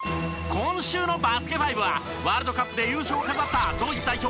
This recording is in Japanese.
今週の『バスケ☆ＦＩＶＥ』はワールドカップで優勝を飾ったドイツ代表